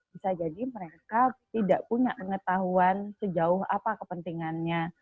bisa jadi mereka tidak punya pengetahuan sejauh apa kepentingannya